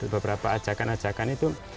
beberapa ajakan ajakan itu